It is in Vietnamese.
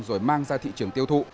rồi mang ra thị trường tiêu thụ